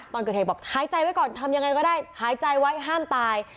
ตอนเกิดเหตุบอกหายใจไว้ก่อนทำยังไงก็ได้หายใจไว้ห้ามตาย